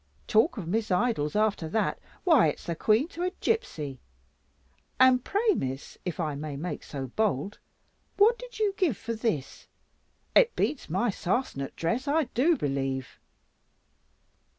Talk of Miss Idols after that, why it's the Queen to a gipsy! And pray, Miss, if I may make so bold, what did you give for this? it beats my sarcenet dress, I do believe."